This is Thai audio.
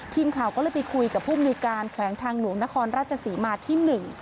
ทีมข่าวก็เลยไปคุยกับผู้มนุยการแขวงทางหลวงนครราชศรีมาที่๑